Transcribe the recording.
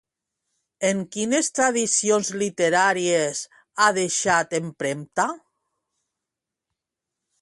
En quines tradicions literàries ha deixat empremta?